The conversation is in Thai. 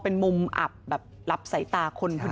เป็นมุมอับแบบรับสายตาคนพอดี